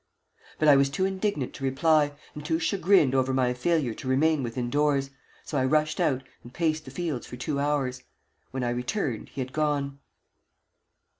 But I was too indignant to reply, and too chagrined over my failure to remain within doors, so I rushed out and paced the fields for two hours. When I returned, he had gone.